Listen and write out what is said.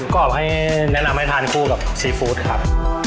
กรอบให้แนะนำให้ทานคู่กับซีฟู้ดครับ